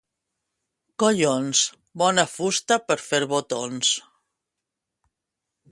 —Collons! —Bona fusta per fer botons!